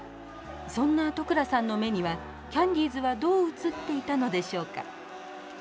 そんな都倉さんの目にはキャンディーズはどう映っていたのでしょうか？